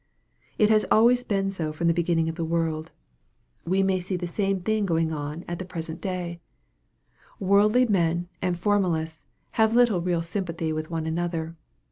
It has always been so from the beginning of the world. We may see the same thing going on at the present day, 252 EXPOSITORY THOUGHTS. Worldly men and formalists have little real sympathy with one another.